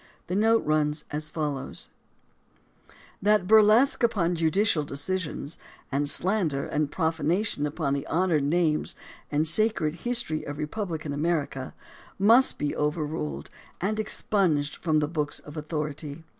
The note runs as follows: That burlesque upon judicial decisions, and slander and prof anation upon the honored names and sacred history of re publican America, must be overruled and expunged from the books of authority.